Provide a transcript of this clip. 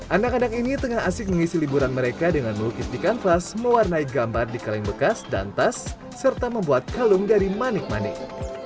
anak anak ini tengah asik mengisi liburan mereka dengan melukis di kanvas mewarnai gambar di kaleng bekas dan tas serta membuat kalung dari manik manik